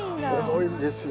重いんですよ。